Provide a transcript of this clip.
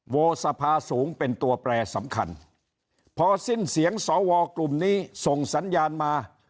โวสภาสูงเป็นตัวแปรสำคัญพอสิ้นเสียงสวกลุ่มนี้ส่งสัญญาณมา